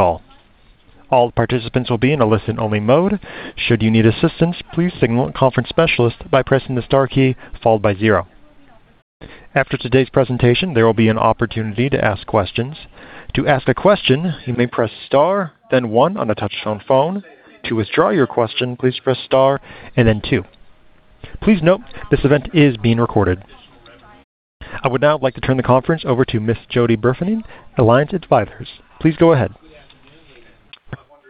I would now like to turn the conference over to Miss Jody Burfening, Alliance Advisors. Please go ahead.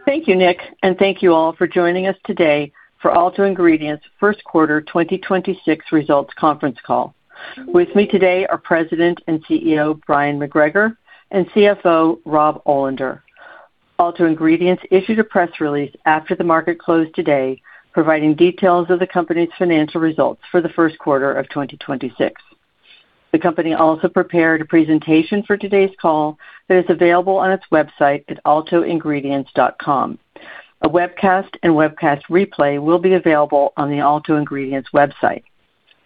Thank you, Nick, and thank you all for joining us today for Alto Ingredients' Q1 2026 results conference call. With me today are President and CEO Bryon McGregor and CFO Rob Olander. Alto Ingredients issued a press release after the market closed today, providing details of the company's financial results for the Q1 of 2026. The company also prepared a presentation for today's call that is available on its website at altoingredients.com. A webcast and webcast replay will be available on the Alto Ingredients website.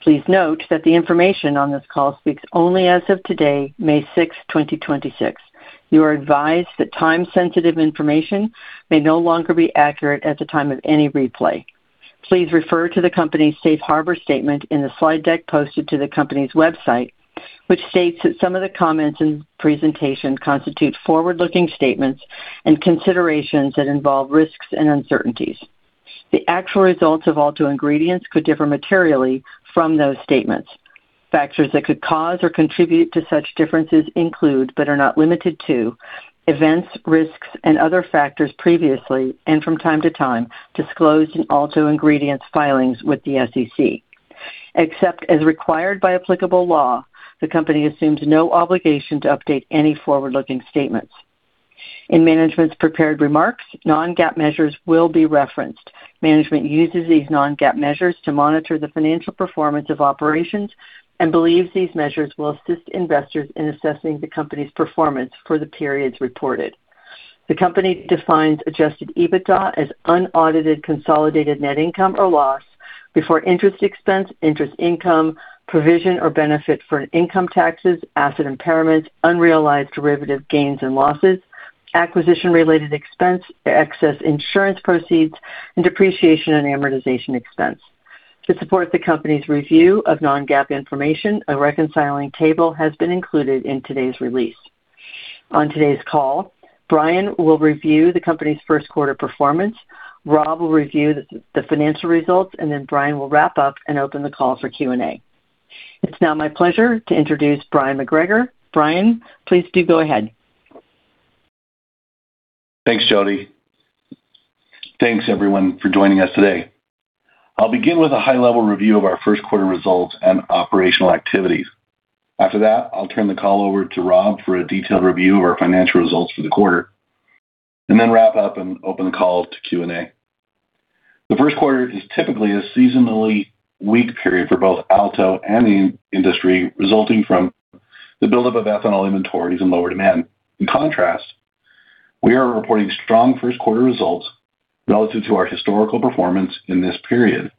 Please note that the information on this call speaks only as of today, May 6, 2026. You are advised that time-sensitive information may no longer be accurate at the time of any replay. Please refer to the company's Safe Harbor statement in the slide deck posted to the company's website, which states that some of the comments and presentation constitute forward-looking statements and considerations that involve risks and uncertainties. The actual results of Alto Ingredients could differ materially from those statements. Factors that could cause or contribute to such differences include, but are not limited to, events, risks, and other factors previously and from time to time disclosed in Alto Ingredients' filings with the SEC. Except as required by applicable law, the company assumes no obligation to update any forward-looking statements. In management's prepared remarks, non-GAAP measures will be referenced. Management uses these non-GAAP measures to monitor the financial performance of operations and believes these measures will assist investors in assessing the company's performance for the periods reported. The company defines adjusted EBITDA as unaudited consolidated net income or loss before interest expense, interest income, provision or benefit for income taxes, asset impairments, unrealized derivative gains and losses, acquisition-related expense, excess insurance proceeds, and depreciation and amortization expense. To support the company's review of non-GAAP information, a reconciling table has been included in today's release. On today's call, Bryon will review the company's Q1 performance, Rob will review the financial results, and then Bryon will wrap up and open the call for Q&A. It's now my pleasure to introduce Bryon McGregor. Bryon, please do go ahead. Thanks, Jody. Thanks everyone for joining us today. I'll begin with a high-level review of our Q1 results and operational activities. After that, I'll turn the call over to Rob for a detailed review of our financial results for the quarter, and then wrap up and open the call to Q&A. The Q1 is typically a seasonally weak period for both Alto and the industry, resulting from the buildup of ethanol inventories and lower demand. In contrast, we are reporting strong Q1 results relative to our historical performance in this period.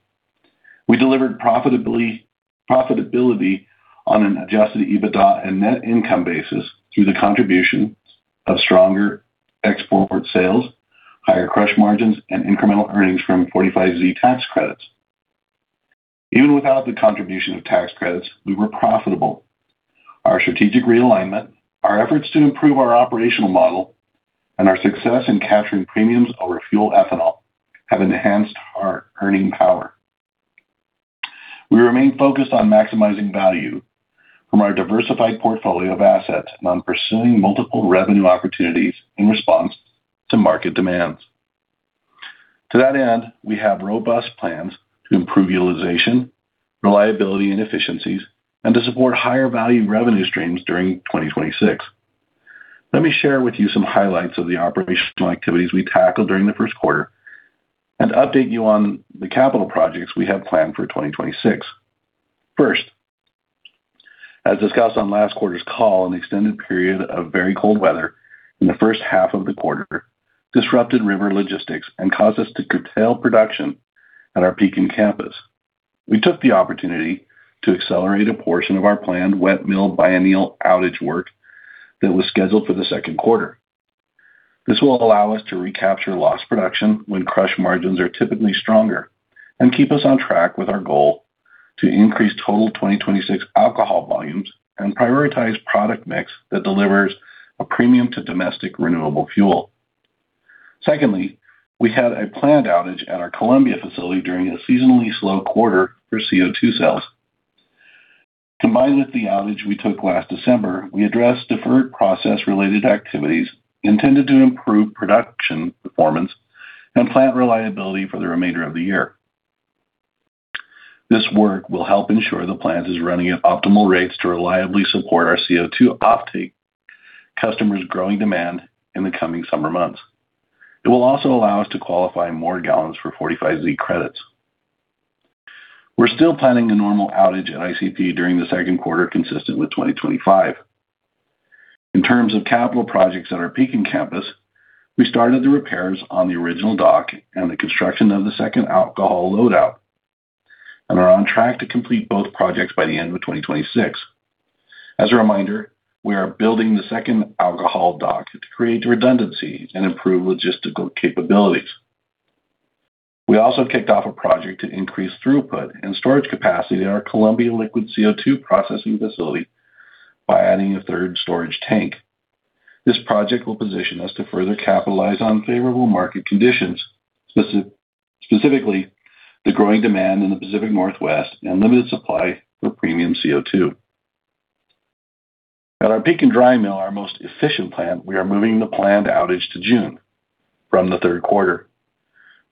We delivered profitability on an adjusted EBITDA and net income basis through the contribution of stronger export sales, higher crush margins, and incremental earnings from 45Z tax credits. Even without the contribution of tax credits, we were profitable. Our strategic realignment, our efforts to improve our operational model, and our success in capturing premiums over fuel ethanol have enhanced our earning power. We remain focused on maximizing value from our diversified portfolio of assets and on pursuing multiple revenue opportunities in response to market demands. To that end, we have robust plans to improve utilization, reliability, and efficiencies, and to support higher value revenue streams during 2026. Let me share with you some highlights of the operational activities we tackled during the Q1 and update you on the capital projects we have planned for 2026. First, as discussed on last quarter's call, an extended period of very cold weather in the first half of the quarter disrupted river logistics and caused us to curtail production at our Pekin campus. We took the opportunity to accelerate a portion of our planned wet mill biennial outage work that was scheduled for the second quarter. This will allow us to recapture lost production when crush margins are typically stronger and keep us on track with our goal to increase total 2026 alcohol volumes and prioritize product mix that delivers a premium to domestic renewable fuel. We had a planned outage at our Columbia facility during a seasonally slow quarter for CO2 sales. Combined with the outage we took last December, we addressed deferred process-related activities intended to improve production performance and plant reliability for the remainder of the year. This work will help ensure the plant is running at optimal rates to reliably support our CO2 offtake customers' growing demand in the coming summer months. It will also allow us to qualify more gallons for 45Z credits. We're still planning a normal outage at ICP during the Q1, consistent with 2025. In terms of capital projects at our Pekin campus, we started the repairs on the original dock and the construction of the second alcohol loadout and are on track to complete both projects by the end of 2026. As a reminder, we are building the 2nd alcohol dock to create redundancy and improve logistical capabilities. We also kicked off a project to increase throughput and storage capacity at our Columbia liquid CO2 processing facility by adding a 3rd storage tank. This project will position us to further capitalize on favorable market conditions, specifically the growing demand in the Pacific Northwest and limited supply for premium CO2. At our Pekin dry mill, our most efficient plant, we are moving the planned outage to June from the 3rd quarter.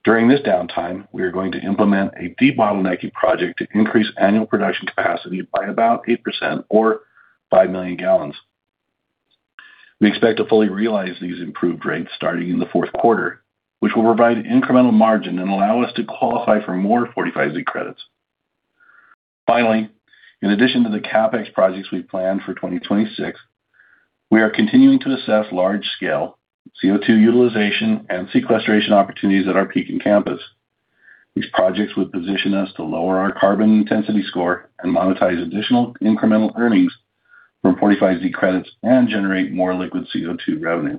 During this downtime, we are going to implement a debottlenecking project to increase annual production capacity by about 8% or 5 million gallons. We expect to fully realize these improved rates starting in the Q4, which will provide incremental margin and allow us to qualify for more 45Z credits. Finally, in addition to the CapEx projects we planned for 2026, we are continuing to assess large-scale CO2 utilization and sequestration opportunities at our Pekin campus. These projects would position us to lower our carbon intensity score and monetize additional incremental earnings from 45Z credits and generate more liquid CO2 revenue.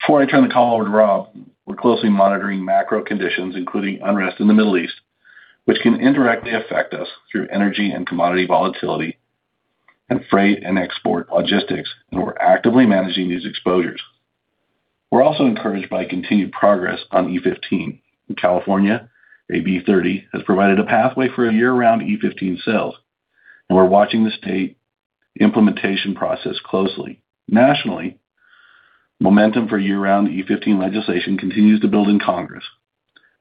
Before I turn the call over to Rob, we're closely monitoring macro conditions, including unrest in the Middle East, which can indirectly affect us through energy and commodity volatility and freight and export logistics, and we're actively managing these exposures. We're also encouraged by continued progress on E15. In California, AB 30 has provided a pathway for year-round E15 sales. We're watching the state implementation process closely. Nationally, momentum for year-round E15 legislation continues to build in Congress.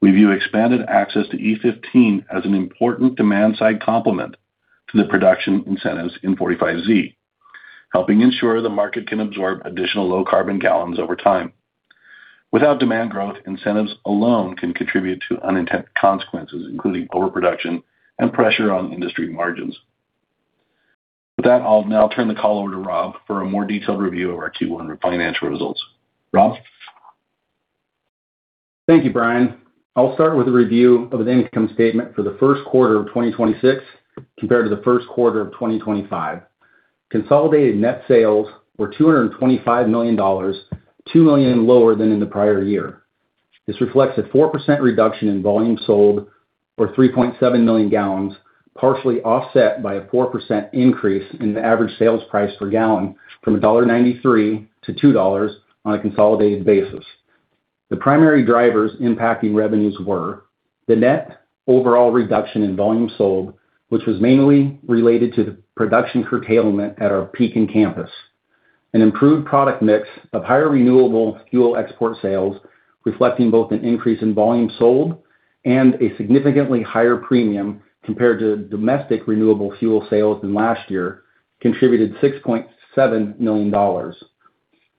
We view expanded access to E15 as an important demand-side complement to the production incentives in 45Z, helping ensure the market can absorb additional low carbon gallons over time. Without demand growth, incentives alone can contribute to unintended consequences, including overproduction and pressure on industry margins. With that, I'll now turn the call over to Rob for a more detailed review of our Q1 financial results. Rob? Thank you, Bryon. I'll start with a review of the income statement for the Q1 of 2026 compared to the Q1 of 2025. Consolidated net sales were $225 million, $2 million lower than in the prior year. This reflects a 4% reduction in volume sold, or 3.7 million gallons, partially offset by a 4% increase in the average sales price per gallon from $1.93 to $2 on a consolidated basis. The primary drivers impacting revenues were the net overall reduction in volume sold, which was mainly related to the production curtailment at our Pekin campus. An improved product mix of higher renewable fuel export sales, reflecting both an increase in volume sold and a significantly higher premium compared to domestic renewable fuel sales than last year, contributed $6.7 million.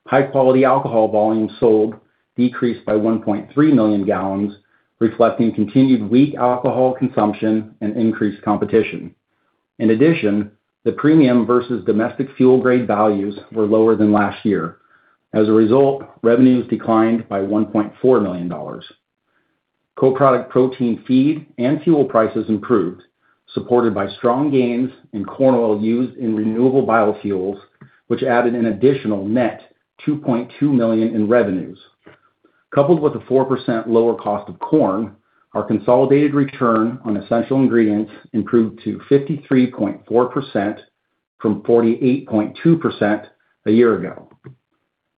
High-quality alcohol volume sold decreased by 1.3 million gallons, reflecting continued weak alcohol consumption and increased competition. In addition, the premium versus domestic fuel grade values were lower than last year. As a result, revenues declined by $1.4 million. Co-product protein feed and fuel prices improved, supported by strong gains in corn oil used in renewable biofuels, which added an additional net $2.2 million in revenues. Coupled with a 4% lower cost of corn, our consolidated return on essential ingredients improved to 53.4% from 48.2% a year ago.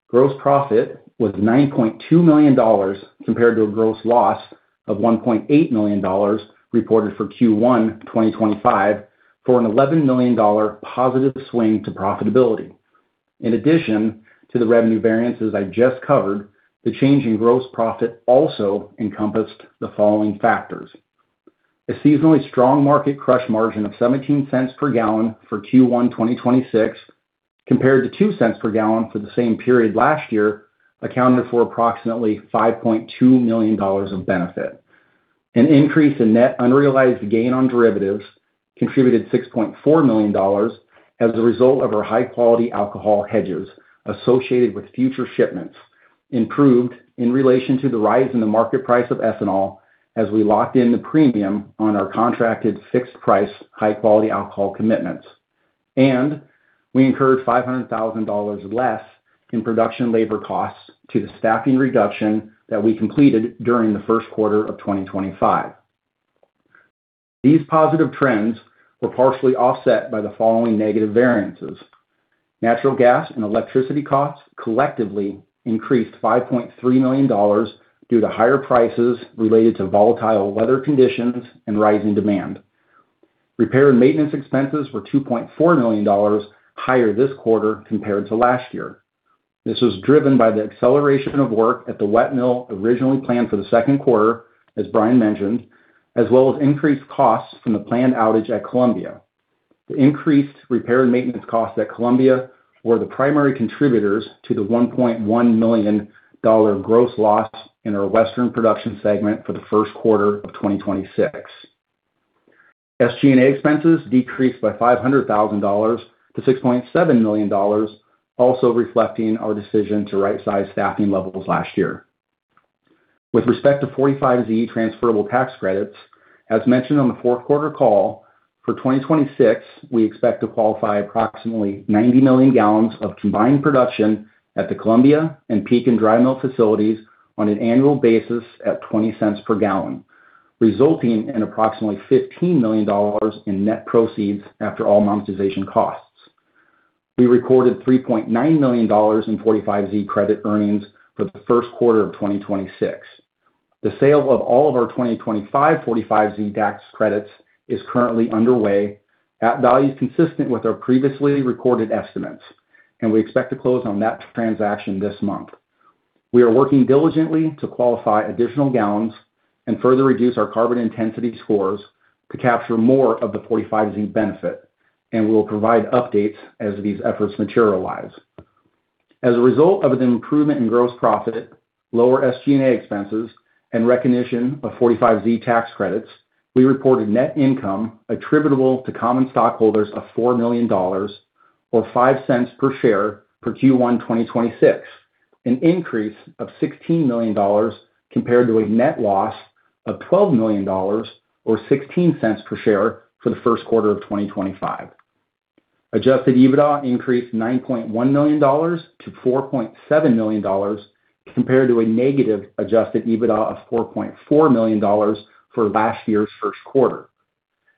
Gross profit was $9.2 million compared to a gross loss of $1.8 million reported for Q1 2025 for an $11 million positive swing to profitability. In addition to the revenue variances I just covered, the change in gross profit also encompassed the following factors. A seasonally strong market crush margin of $0.17 per gallon for Q1 2026 compared to $0.02 per gallon for the same period last year accounted for approximately $5.2 million of benefit. An increase in net unrealized gain on derivatives contributed $6.4 million as a result of our high-quality alcohol hedges associated with future shipments improved in relation to the rise in the market price of ethanol as we locked in the premium on our contracted fixed price high-quality alcohol commitments. We incurred $500,000 less in production labor costs to the staffing reduction that we completed during the Q1 of 2025. These positive trends were partially offset by the following negative variances. Natural gas and electricity costs collectively increased $5.3 million due to higher prices related to volatile weather conditions and rising demand. Repair and maintenance expenses were $2.4 million higher this quarter compared to last year. This was driven by the acceleration of work at the wet mill originally planned for the second quarter, as Bryon mentioned, as well as increased costs from the planned outage at Columbia. The increased repair and maintenance costs at Columbia were the primary contributors to the $1.1 million gross loss in our Western production segment for the Q1 of 2026. SG&A expenses decreased by $500,000 to $6.7 million, also reflecting our decision to right-size staffing levels last year. With respect to 45Z transferable tax credits, as mentioned on the Q4 call, for 2026, we expect to qualify approximately 90 million gallons of combined production at the Columbia and Pekin dry mill facilities on an annual basis at $0.20 per gallon, resulting in approximately $15 million in net proceeds after all monetization costs. We recorded $3.9 million in 45Z credit earnings for the Q1 of 2026. The sale of all of our 2025 45Z tax credits is currently underway at values consistent with our previously recorded estimates, and we expect to close on that transaction this month. We are working diligently to qualify additional gallons and further reduce our carbon intensity scores to capture more of the 45Z benefit, and we will provide updates as these efforts materialize. As a result of an improvement in gross profit, lower SG&A expenses, and recognition of 45Z tax credits, we reported net income attributable to common stockholders of $4 million or $0.05 per share for Q1 2026, an increase of $16 million compared to a net loss of $12 million or $0.16 per share for the Q1 of 2025. Adjusted EBITDA increased $9.1 million to $4.7 million compared to a negative adjusted EBITDA of $4.4 million for last year's Q1.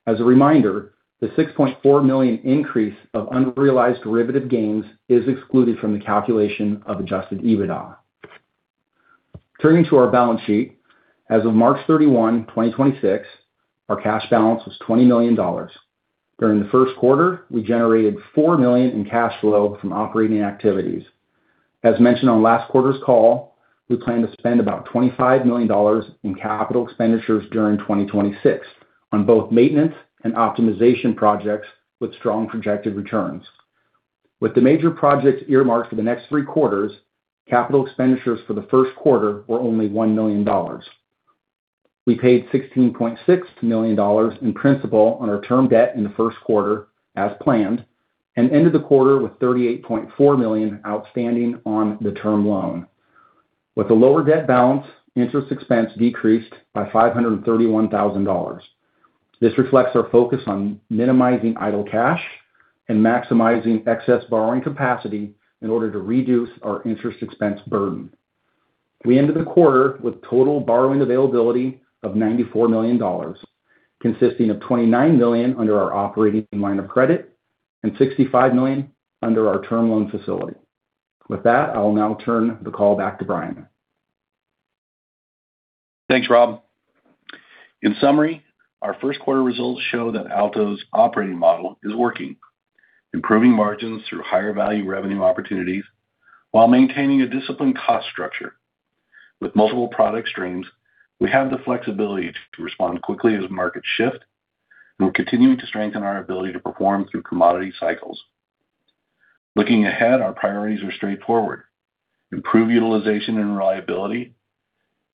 As a reminder, the $6.4 million increase of unrealized derivative gains is excluded from the calculation of adjusted EBITDA. Turning to our balance sheet. As of March 2026, our cash balance was $20 million. During the Q1, we generated $4 million in cash flow from operating activities. As mentioned on last quarter's call, we plan to spend about $25 million in capital expenditures during 2026 on both maintenance and optimization projects with strong projected returns. With the major projects earmarked for the next 3 quarters, capital expenditures for the Q1 were only $1 million. We paid $16.6 million in principal on our term debt in the Q1 as planned, and ended the quarter with $38.4 million outstanding on the term loan. With the lower debt balance, interest expense decreased by $531,000. This reflects our focus on minimizing idle cash and maximizing excess borrowing capacity in order to reduce our interest expense burden. We ended the quarter with total borrowing availability of $94 million, consisting of $29 million under our operating line of credit and $65 million under our term loan facility. With that, I will now turn the call back to Bryon. Thanks, Rob. In summary, our Q1 results show that Alto's operating model is working, improving margins through higher value revenue opportunities while maintaining a disciplined cost structure. We're continuing to strengthen our ability to perform through commodity cycles. Looking ahead, our priorities are straightforward: improve utilization and reliability,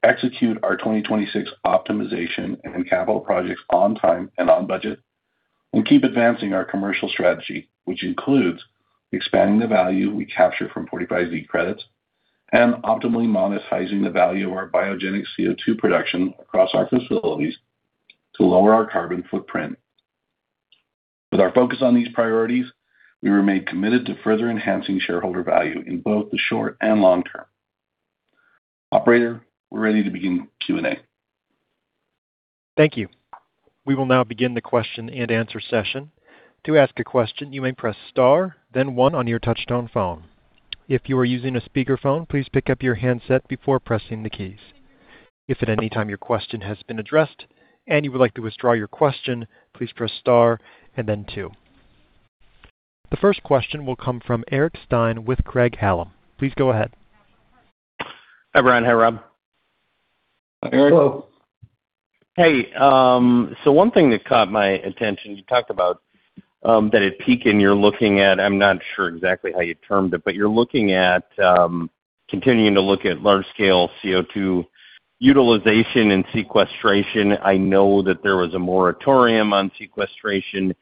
execute our 2026 optimization and capital projects on time and on budget, and keep advancing our commercial strategy, which includes expanding the value we capture from 45Z credits and optimally monetizing the value of our biogenic CO2 production across our facilities to lower our carbon footprint. With our focus on these priorities, we remain committed to further enhancing shareholder value in both the short and long term. Operator, we're ready to begin Q&A. Thank you. We will now begin the question and answer session. To ask a question, you may press star then one on you touch tone phone. If you are using a speaker phone, please pick up your handsets before pressing the keys. If at any time your question has been addressed and you would like to withdraw to withdraw your question, please press star and then two The first question will come from Eric Stine with Craig-Hallum. Please go ahead. Hi, Bryon. Hi, Rob. Hi, Eric. Hello. One thing that caught my attention, you talked about that at Pekin you're looking at, I'm not sure exactly how you termed it, but you're looking at continuing to look at large-scale CO2 utilization and sequestration. I know that there was a moratorium on sequestration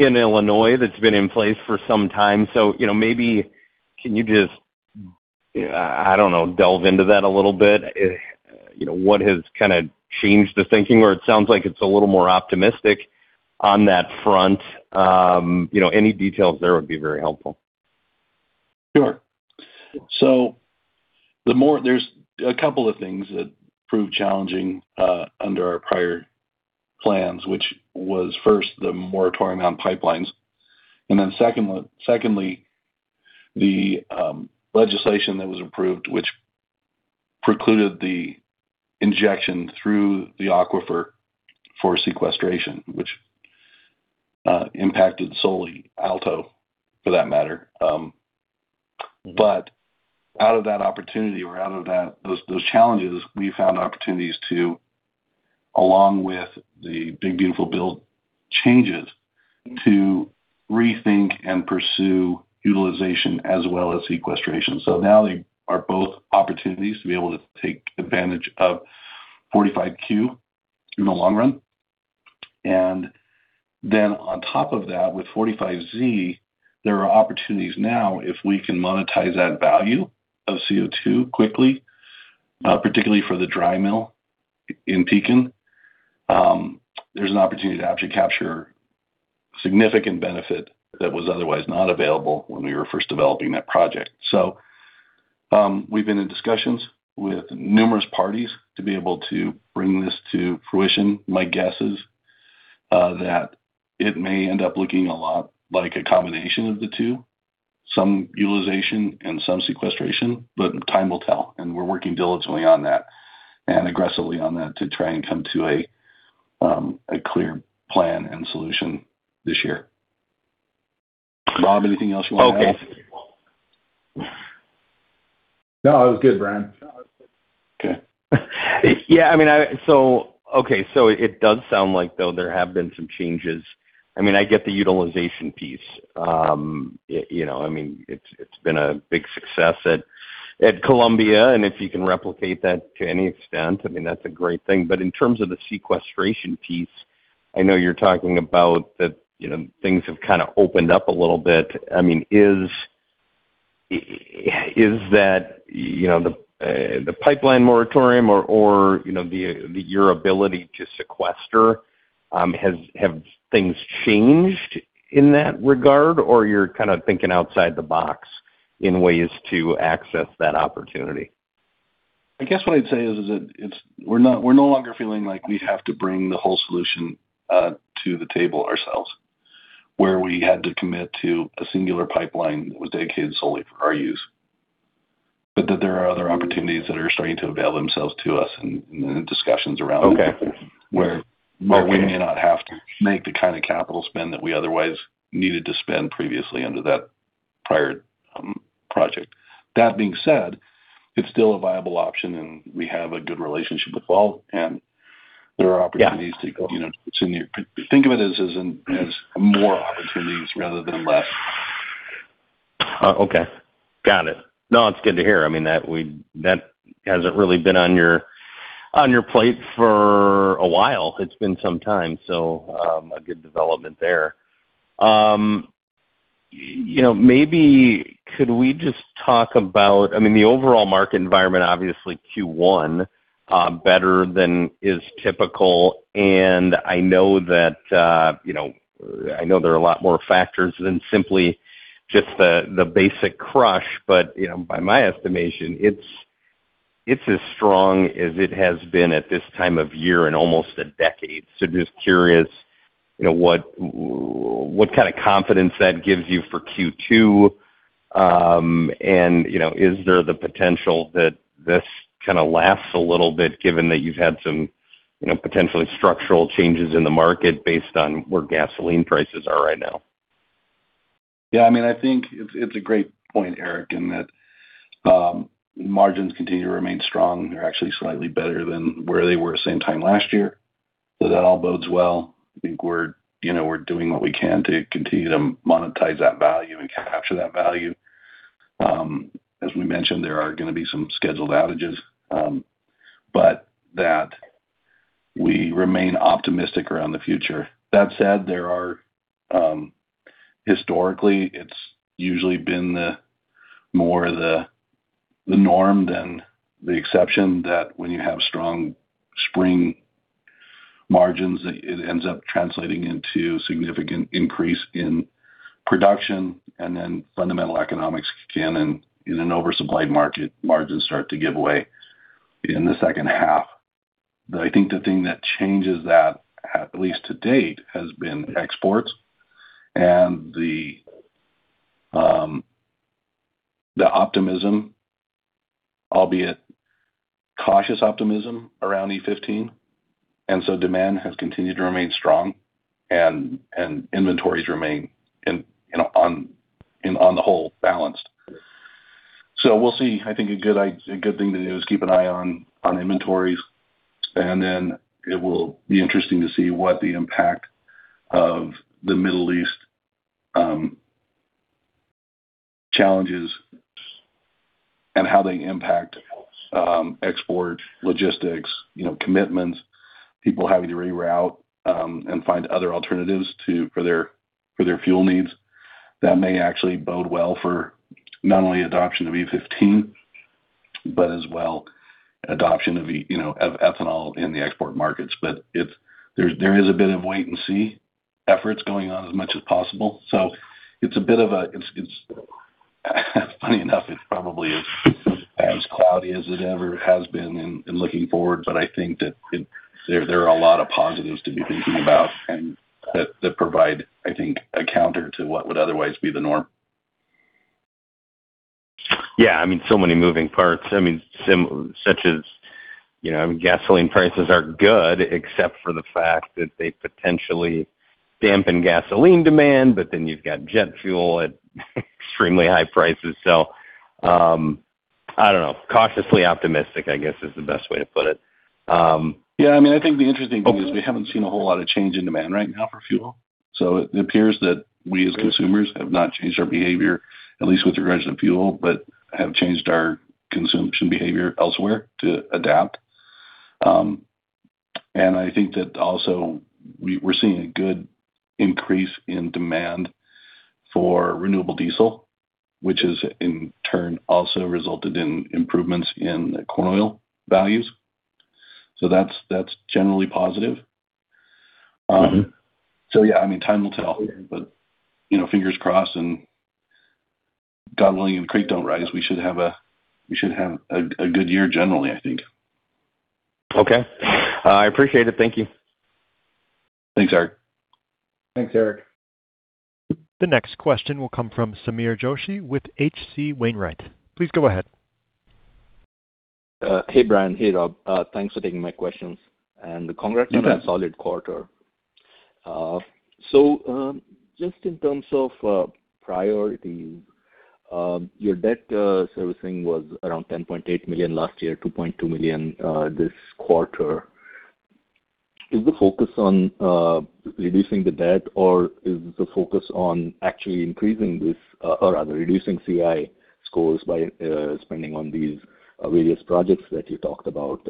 in Illinois that's been in place for some time. You know, maybe can you just, I don't know, delve into that a little bit? You know, what has kind of changed the thinking where it sounds like it's a little more optimistic on that front? You know, any details there would be very helpful. Sure. There's a couple of things that proved challenging under our prior plans, which was first the moratorium on pipelines, and then secondly, the legislation that was approved, which precluded the injection through the aquifer for sequestration, which impacted solely Alto for that matter. Out of that opportunity or out of that, those challenges, we found opportunities to, along with the Big Beautiful Build changes to rethink and pursue utilization as well as sequestration. Now they are both opportunities to be able to take advantage of 45Q in the long run. Then on top of that, with 45Z, there are opportunities now if we can monetize that value of CO2 quickly, particularly for the dry mill in Pekin. There's an opportunity to actually capture significant benefit that was otherwise not available when we were first developing that project. We've been in discussions with numerous parties to be able to bring this to fruition. My guess is that it may end up looking a lot like a combination of the two, some utilization and some sequestration, but time will tell. We're working diligently on that and aggressively on that to try and come to a clear plan and solution this year. Rob, anything else you want to add? Okay. No, it was good, Bryon. Okay. I mean, it does sound like though there have been some changes. I mean, I get the utilization piece. You know, I mean, it's been a big success at Columbia, and if you can replicate that to any extent, I mean, that's a great thing. In terms of the sequestration piece, I know you're talking about that, you know, things have kind of opened up a little bit. I mean, is that, you know, the pipeline moratorium or, you know, your ability to sequester, have things changed in that regard? You're kind of thinking outside the box in ways to access that opportunity? I guess what I'd say is that we're no longer feeling like we have to bring the whole solution to the table ourselves, where we had to commit to a singular pipeline that was dedicated solely for our use. There are other opportunities that are starting to avail themselves to us in the discussions. Okay where we may not have to make the kind of capital spend that we otherwise needed to spend previously under that prior project. That being said, it's still a viable option, and we have a good relationship with Valero, and there are opportunities. Yeah You know, continue. Think of it as more opportunities rather than less. Okay. Got it. No, it's good to hear. I mean, that hasn't really been on your, on your plate for a while. It's been some time, so, a good development there. You know, maybe could we just talk about I mean, the overall market environment, obviously Q1, better than is typical. I know that, you know, I know there are a lot more factors than simply just the basic crush. You know, by my estimation, it's as strong as it has been at this time of year in almost a decade. Just curious, you know, what kind of confidence that gives you for Q2? You know, is there the potential that this kind of lasts a little bit given that you've had some, you know, potentially structural changes in the market based on where gasoline prices are right now? Yeah, I mean, I think it's a great point, Eric, in that, margins continue to remain strong. They're actually slightly better than where they were same time last year. That all bodes well. I think we're, you know, we're doing what we can to continue to monetize that value and capture that value. As we mentioned, there are gonna be some scheduled outages, that we remain optimistic around the future. That said, there are, historically, it's usually been the more the norm than the exception that when you have strong spring margins, it ends up translating into significant increase in production, fundamental economics can, in an oversupplied market, margins start to give away in the H2. I think the thing that changes that, at least to date, has been exports and the optimism, albeit cautious optimism, around E15. Demand has continued to remain strong and inventories remain in, you know, on the whole balanced. We'll see. I think a good thing to do is keep an eye on inventories, and then it will be interesting to see what the impact of the Middle East challenges and how they impact export logistics, you know, commitments, people having to reroute and find other alternatives for their fuel needs. That may actually bode well for not only adoption of E15, but as well adoption of, you know, of ethanol in the export markets. If there is a bit of wait and see efforts going on as much as possible. It's funny enough, it probably is as cloudy as it ever has been in looking forward. I think that there are a lot of positives to be thinking about and that provide, I think, a counter to what would otherwise be the norm. Yeah. I mean, so many moving parts. I mean, such as, you know, I mean, gasoline prices are good except for the fact that they potentially dampen gasoline demand, but then you've got jet fuel at extremely high prices. I don't know, cautiously optimistic, I guess, is the best way to put it. Yeah, I mean, I think the interesting thing is we haven't seen a whole lot of change in demand right now for fuel. It appears that we as consumers have not changed our behavior, at least with regards to fuel, but have changed our consumption behavior elsewhere to adapt. I think that also we're seeing a good increase in demand for renewable diesel, which has in turn also resulted in improvements in corn oil values. That's generally positive. Yeah, I mean, time will tell. You know, fingers crossed, and God willing, and creek don't rise, we should have a good year generally, I think. Okay. I appreciate it. Thank you. Thanks, Eric. Thanks, Eric. The next question will come from Sameer Joshi with H.C. Wainwright. Please go ahead. Hey, Bryon. Hey, Rob. Thanks for taking my questions. Congrats on a solid quarter. Just in terms of priorities, your debt servicing was around $10.8 million last year, $2.2 million this quarter. Is the focus on reducing the debt, or is the focus on actually increasing this, or rather reducing CI scores by spending on these various projects that you talked about?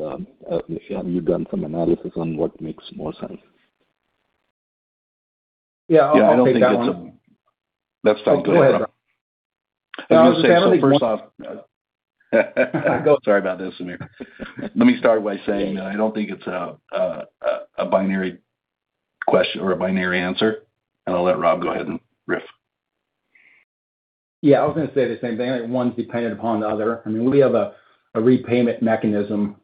Have you done some analysis on what makes more sense? Yeah, I'll take that one. Yeah, I don't think. Let's start with Rob. Go ahead, Rob. No, I was just gonna say the first- Let me say. First off, sorry about this, Sameer. Let me start by saying I don't think it's a binary question or a binary answer, and I'll let Rob go ahead and riff. Yeah, I was gonna say the same thing. One's dependent upon the other. I mean, we have a repayment mechanism,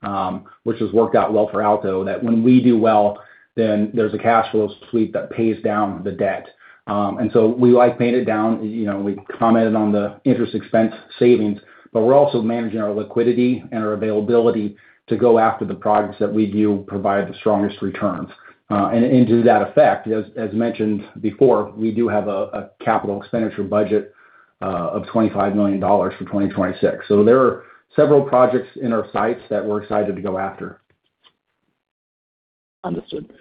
which has worked out well for Alto, that when we do well, then there's a cash flow sweep that pays down the debt. We like paying it down. You know, we commented on the interest expense savings, we're also managing our liquidity and our availability to go after the projects that we view provide the strongest returns. And to that effect, as mentioned before, we do have a capital expenditure budget of $25 million for 2026. There are several projects in our sites that we're excited to go after. Understood.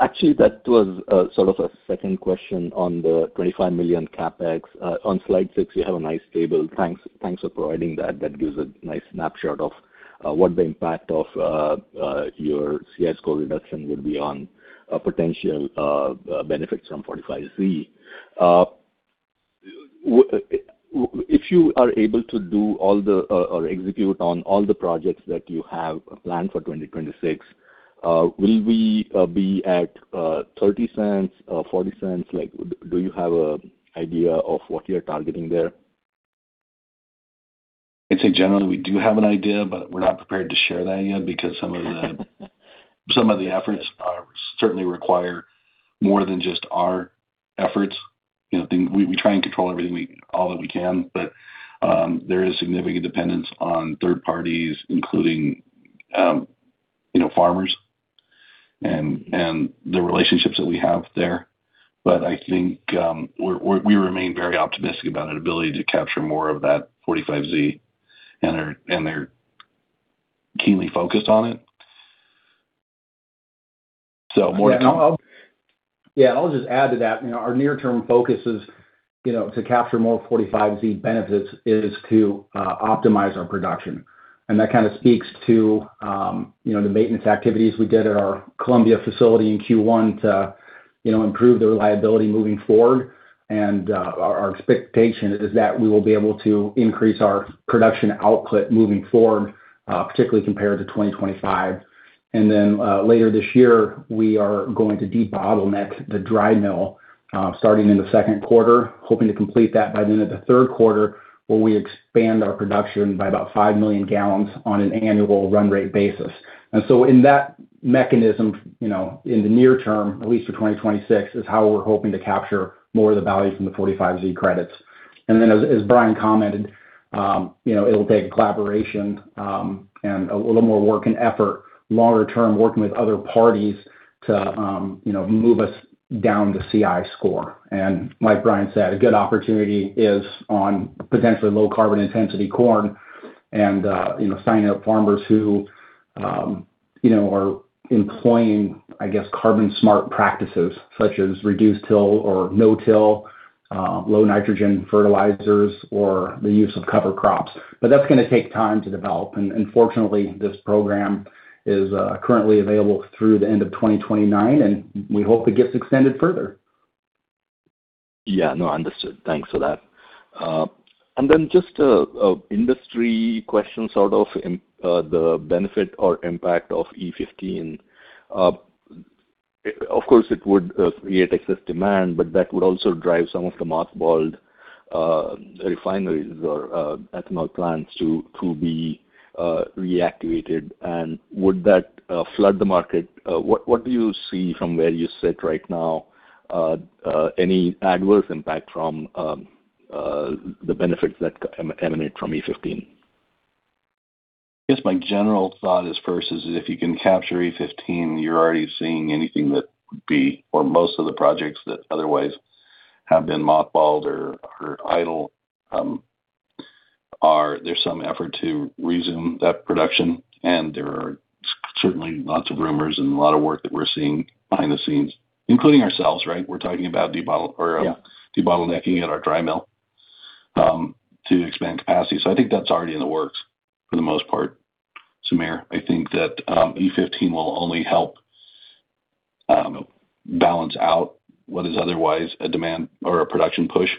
Actually, that was sort of a second question on the $25 million CapEx. On slide 6, you have a nice table. Thanks for providing that. That gives a nice snapshot of what the impact of your CI score reduction would be on potential benefits from 45Z. If you are able to do all the or execute on all the projects that you have planned for 2026, will we be at $0.30, $0.40? Like, do you have a idea of what you're targeting there? I'd say generally, we do have an idea, but we're not prepared to share that yet because some of the efforts certainly require more than just our efforts. You know, we try and control all that we can, but there is significant dependence on third parties, including, you know, farmers and the relationships that we have there. I think we remain very optimistic about an ability to capture more of that 45Z and are keenly focused on it. More to come. Yeah, I'll just add to that. You know, our near-term focus is, you know, to capture more 45Z benefits is to optimize our production. That kind of speaks to, you know, the maintenance activities we did at our Columbia facility in Q1 to, you know, improve the reliability moving forward. Our expectation is that we will be able to increase our production output moving forward, particularly compared to 2025. Later this year, we are going to debottleneck the dry mill, starting in the second quarter, hoping to complete that by the end of the Q1, where we expand our production by about 5 million gallons on an annual run rate basis. In that mechanism, you know, in the near term, at least for 2026, is how we're hoping to capture more of the value from the 45Z credits. As Bryon commented, you know, it'll take collaboration and a little more work and effort longer term working with other parties to, you know, move us down the CI score. Like Bryon said, a good opportunity is on potentially low carbon intensity corn and, you know, signing up farmers who, you know, are employing, I guess, carbon smart practices such as reduced till or no till, low nitrogen fertilizers or the use of cover crops. That's gonna take time to develop. Fortunately, this program is currently available through the end of 2029, and we hope it gets extended further. Yeah, no, understood. Thanks for that. Just a industry question sort of, the benefit or impact of E15. Of course, it would create excess demand, but that would also drive some of the mothballed refineries or ethanol plants to be reactivated. Would that flood the market? What do you see from where you sit right now, any adverse impact from the benefits that emanate from E15? I guess my general thought is first is if you can capture E15, you're already seeing anything that would be or most of the projects that otherwise have been mothballed or idle, there's some effort to resume that production, and there are certainly lots of rumors and a lot of work that we're seeing behind the scenes, including ourselves, right? We're talking about de-bottlenecking at our dry mill to expand capacity. I think that's already in the works for the most part, Sameer. I think that E15 will only help balance out what is otherwise a demand or a production push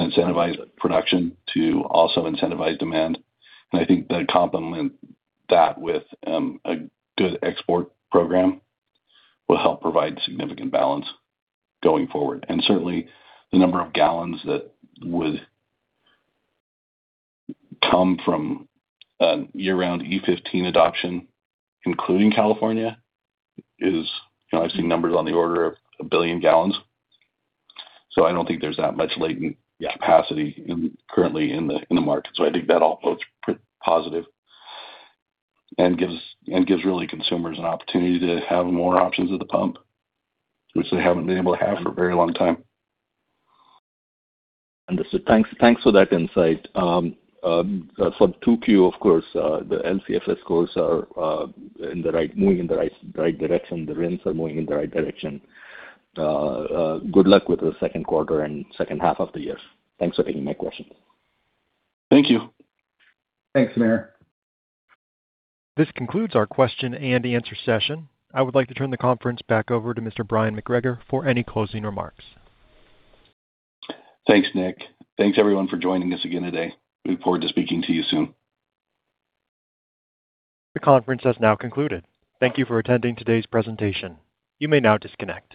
and incentivize production to also incentivize demand. I think to complement that with a good export program will help provide significant balance going forward. Certainly the number of gallons that would come from a year-round E15 adoption, including California, is You know, I've seen numbers on the order of 1 billion gallons. I don't think there's that much latent capacity currently in the market. I think that all bodes positive and gives really consumers an opportunity to have more options at the pump, which they haven't been able to have for a very long time. Understood. Thanks, thanks for that insight. 2Q, of course, the LCFS scores are moving in the right direction. The RINs are moving in the right direction. Good luck with the second quarter and Q1 of the year. Thanks for taking my questions. Thank you. Thanks, Sameer. This concludes our question and answer session. I would like to turn the conference back over to Mr. Bryon McGregor for any closing remarks. Thanks, Nick. Thanks everyone for joining us again today. Look forward to speaking to you soon. The conference has now concluded. Thank you for attending today's presentation. You may now disconnect.